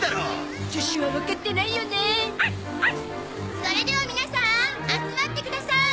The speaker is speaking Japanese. それでは皆さん集まってください。